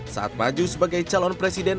saat maju sebagai calon presiden